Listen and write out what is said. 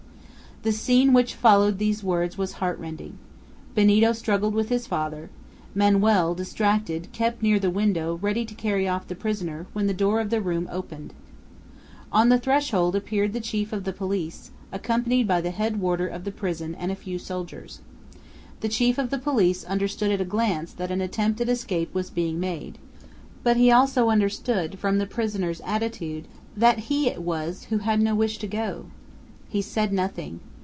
The scene which followed these words was heart rending. Benito struggled with his father. Manoel, distracted, kept near the window ready to carry off the prisoner when the door of the room opened. On the threshold appeared the chief of the police, accompanied by the head warder of the prison and a few soldiers. The chief of the police understood at a glance that an attempt at escape was being made; but he also understood from the prisoner's attitude that he it was who had no wish to go! He said nothing.